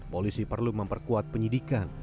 polisi perlu memperkuat penyidikan